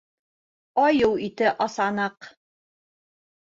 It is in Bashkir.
- Айыу ите асаныҡ!